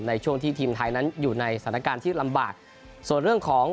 ในช่วงที่ทีมไทยนั้นอยู่ในสถานการณ์ที่ลำบากส่วนเรื่องของ